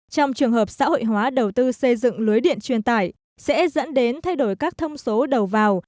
trong trường hợp xã hội hóa đầu tư xây dựng lưới điện truyền tải sẽ dẫn đến thay đổi các thông số đầu vào